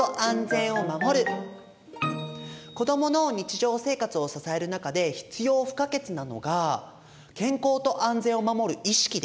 子どもの日常生活を支える中で必要不可欠なのが健康と安全を守る意識です。